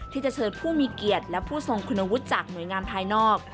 ที่จะเชิญผู้มีเกียรติและผู้ทรงคุณวุฒิจากหน่วยงานภายนอก